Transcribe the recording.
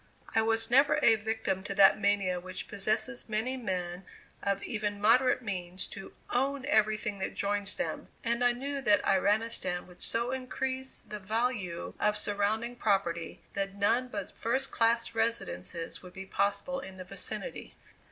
I was never a victim to that mania which possesses many men of even moderate means to "own everything that joins them," and I knew that Iranistan would so increase the value of surrounding property that none but first class residences would be possible in the vicinity.